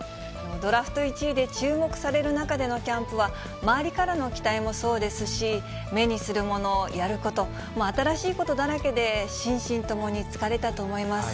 ドラフト１位で注目される中でのキャンプは、周りからの期待もそうですし、目にするもの、やること、新しいことだらけで、心身ともに疲れたと思います。